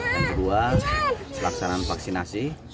yang kedua pelaksanaan vaksinasi